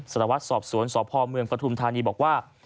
สัตวัสดิ์สอบสวนสพเมืองกระทุมธานีบอกว่า